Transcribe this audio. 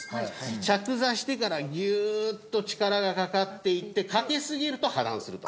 着座してからギューッと力がかかっていってかけすぎると破断すると。